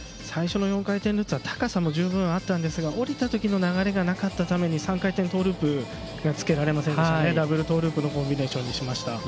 最初の４回転ルッツは高さも十分あったんですが降りたときの流れがなかったためにトリプルトーループがつけられなくてダブルトーループのコンビネーションにしました。